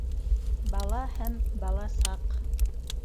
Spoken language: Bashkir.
Бала һәм бала саҡ.